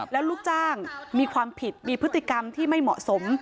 แล้วลูกจ้างมีความผิดมีพฤติกรรมที่ไม่เหมาะสม